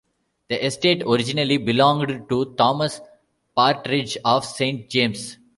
The estate originally belonged to Thomas Partridge of Saint James.